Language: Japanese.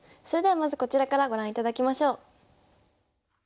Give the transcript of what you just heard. それではまずこちらからご覧いただきましょう。